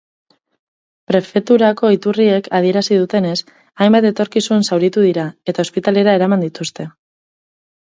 Prefeturako iturriek adierazi dutenez, hainbat etorkizun zauritu dira eta ospitalera eraman dituzte.